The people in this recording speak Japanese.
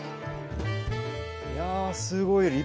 いやすごい。